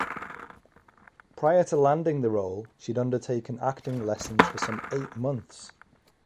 Prior to landing the role she had undertaken acting lessons for some eight months.